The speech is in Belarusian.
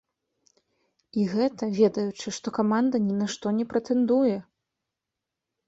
І гэта, ведаючы, што каманда ні на што не прэтэндуе!